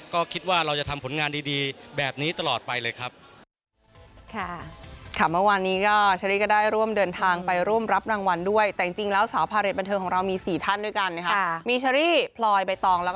ก็คิดว่าเราจะทำผลงานดีแบบนี้ตลอดไปเลยครับ